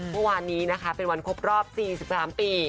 เมื่อวานนี้นะคะเป็นวันครบรอบ๔๓ปี